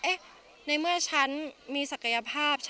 เองเมื่อฉันมีศักยภาพ